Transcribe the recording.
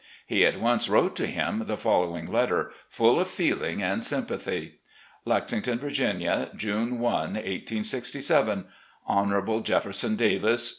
He at once wrote to him the following letter, full of feeling and sympathy: "Lexington, Virginia, June i, 1867, "Honourable Jefferson Davis.